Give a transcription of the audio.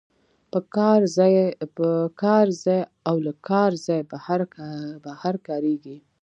په کار ځای او له کار ځای بهر کاریږي.